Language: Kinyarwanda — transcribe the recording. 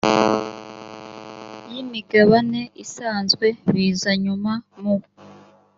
y imigabane isanzwe biza nyuma mu